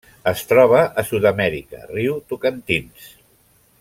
Es troba a Sud-amèrica: riu Tocantins.